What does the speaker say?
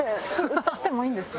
映してもいいんですか？